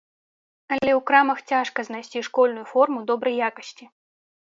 Але ў крамах цяжка знайсці школьную форму добрай якасці.